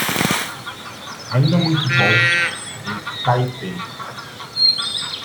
Ainda muito bom em Taipei